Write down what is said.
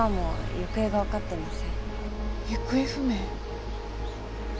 行方不明？